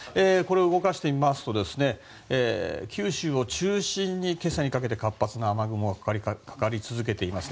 動かしてみますと、九州を中心に今朝にかけて活発な雨雲がかかり続けています。